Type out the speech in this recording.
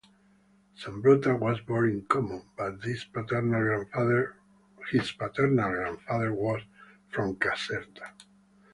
Zambrotta was born in Como, but his paternal grandfather was from Caserta.